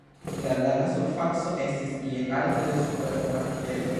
La laga surfaco estis je alto de super marnivelo.